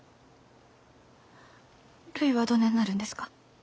るいはどねんなるんですか？